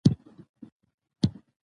زما یقین دی خدای ته نه دی د منلو